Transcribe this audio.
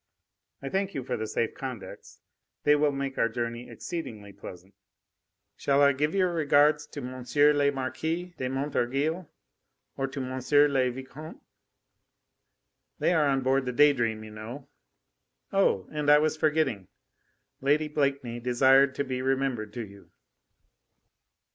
I thank you for the safe conducts. They will make our journey exceedingly pleasant. Shall I give your regards to M. le Marquis de Montorgueil or to M. le Vicomte? They are on board the Day Dream, you know. Oh! and I was forgetting! Lady Blakeney desired to be remembered to you."